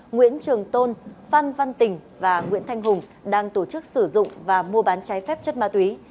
nguyễn trường tôn phan văn tình và nguyễn thanh hùng đang tổ chức sử dụng và mua bán trái phép chất ma túy